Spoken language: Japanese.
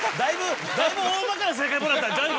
だいぶ大まかな正解もらったんちゃう？